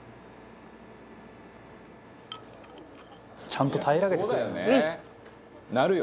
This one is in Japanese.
「ちゃんと平らげてくれる」